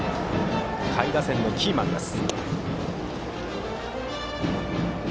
下位打線のキーマンです。